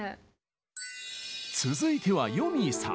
続いてはよみぃさん。